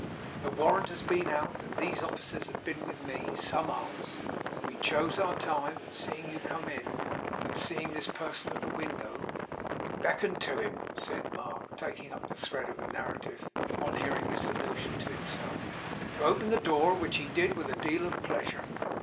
The warrant has been out, and these officers have been with me, some hours. We chose our time; and seeing you come in, and seeing this person at the window ' 'Beckoned to him,' said Mark, taking up the thread of the narrative, on hearing this allusion to himself, 'to open the door; which he did with a deal of pleasure.